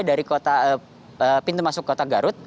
dari pintu masuk kota garut